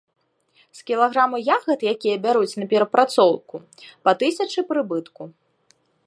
З кілаграму ягад, якія бяруць на перапрацоўку, па тысячы прыбытку.